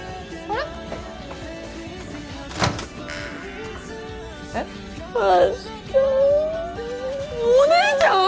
あす花お姉ちゃん！？